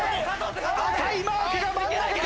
赤いマークが真ん中だ！